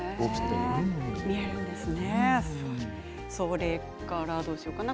見えるんですね。